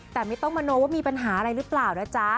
แต่ไม่ต้องมโนว่ามีปัญหาอะไรหรือเปล่านะจ๊ะ